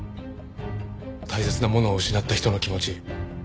大切なものを失った人の気持ち。